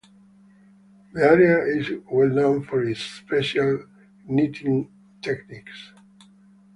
The area is well known for its special knitting techniques.